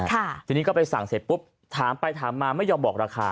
ทีนี้ก็ไปสั่งเสร็จปุ๊บถามไปถามมาไม่ยอมบอกราคา